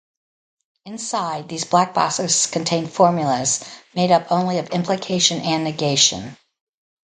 Inside, these black boxes contain formulas made up only of implication and negation.